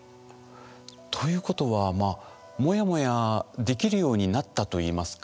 ということはまあモヤモヤできるようになったといいますか。